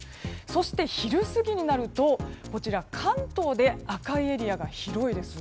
そして昼過ぎになると関東で赤いエリアが広いです。